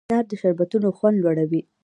انار د شربتونو خوند لوړوي.